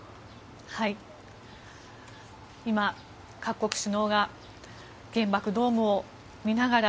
今、各国首脳が原爆ドームを見ながら